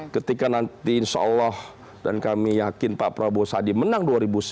ketika nanti insya allah dan kami yakin pak prabowo sandi menang dua ribu sembilan belas dua ribu dua puluh empat